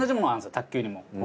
卓球にも。